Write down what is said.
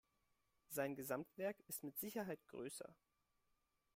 Sein Gesamtwerk ist mit Sicherheit größer.